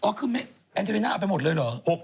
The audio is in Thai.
อ๋อคือแองเจรน่าเอาไปหมดเลยเหรอ